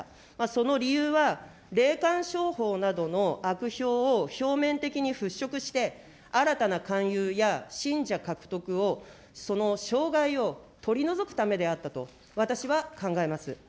その理由は、霊感商法などの悪評を表面的に払拭して、新たな勧誘や信者獲得をその障害を取り除くためであったと私は考えます。